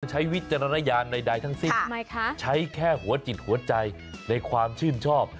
วิจารณญาณใดทั้งสิ้นใช้แค่หัวจิตหัวใจในความชื่นชอบ